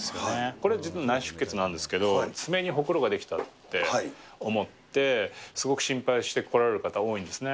これ、実は内出血なんですけれども、爪にホクロが出来たって思って、すごく心配して来られる方多いんですね。